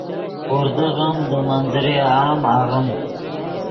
غوردغّیم دے منظر عام آغیم